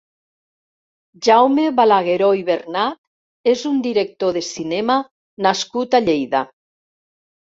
Jaume Balagueró i Bernat és un director de cinema nascut a Lleida.